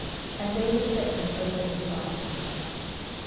And David set him over his guard.